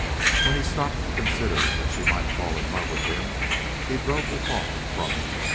When he stopped to consider that she might fall in love with him he drove the thought from him.